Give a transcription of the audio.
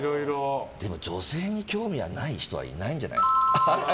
でも女性に興味ない人はいないんじゃない？